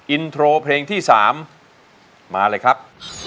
อินโทรเพลงที่๓มาเลยครับ